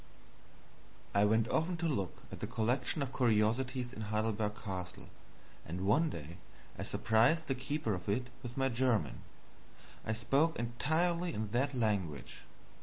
I went often to look at the collection of curiosities in Heidelberg Castle, and one day I surprised the keeper of it with my German. I spoke entirely in that language.